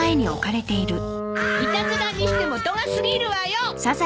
いたずらにしても度が過ぎるわよ。